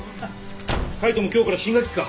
海斗も今日から新学期か。